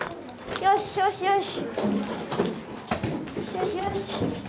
よしよし。